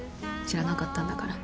知らなかったんだから。